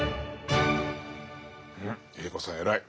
うんＡ子さん偉い。